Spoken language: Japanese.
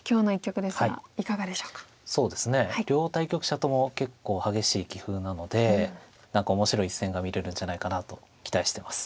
両対局者とも結構激しい棋風なので何か面白い一戦が見れるんじゃないかなと期待してます。